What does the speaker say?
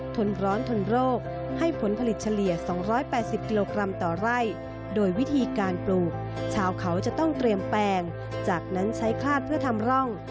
เตรียมแปลงจากนั้นใช้คลาดเพื่อทำร่อง